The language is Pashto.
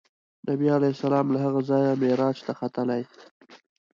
نبي علیه السلام له هغه ځایه معراج ته ختلی.